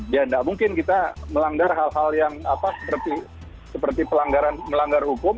ya tidak mungkin kita melanggar hal hal yang seperti melanggar hukum